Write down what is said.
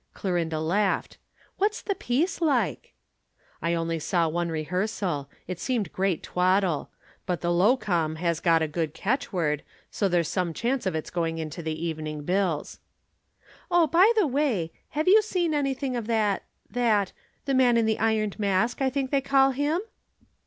_"] Clorinda laughed. "What's the piece like?" "I only saw one rehearsal. It seemed great twaddle. But the low com. has got a good catchword, so there's some chance of its going into the evening bills." "Oh, by the way, have you seen anything of that that the man in the Ironed Mask, I think they call him?"